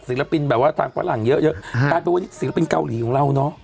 ศีลปินแบบว่าทางฝรั่งเยอะเยอะฮะฮร์ดูฮะฮะศีลปินเกาหลีของเราเนอะ